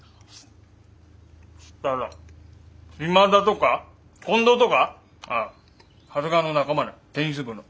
したら島田とか近藤とかああ長谷川の仲間なテニス部の。